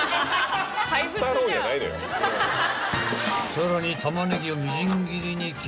［さらに］